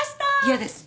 嫌です。